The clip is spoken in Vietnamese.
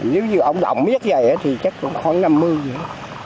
nếu như ấm ấm nhất vậy thì chắc cũng khoảng năm mươi vậy